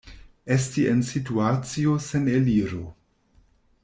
Esti en situacio sen eliro.